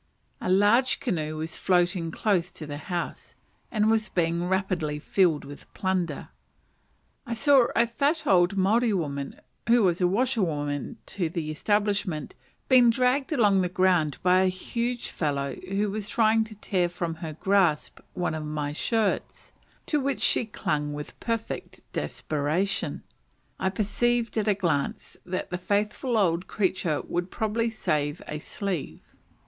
A large canoe was floating close to the house, and was being rapidly filled with plunder. I saw a fat old Maori woman, who was washerwoman to the establishment, being dragged along the ground by a huge fellow who was trying to tear from her grasp one of my shirts, to which she clung with perfect desperation. I perceived at a glance that the faithful old creature would probably save a sleeve.